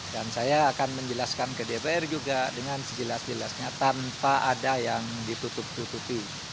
dan saya akan menjelaskan ke dpr juga dengan sejelas jelasnya tanpa ada yang ditutup tutupi